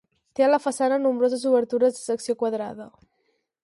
Té a la façana nombroses obertures de secció quadrada.